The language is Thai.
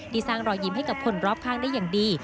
สร้างรอยยิ้มให้กับคนรอบข้างได้อย่างดี